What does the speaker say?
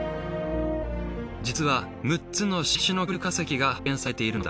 実は６つの新種の恐竜化石が発見されているのだ。